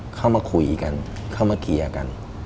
เข้ามาคุยกันเข้ามาเคลียร์กัน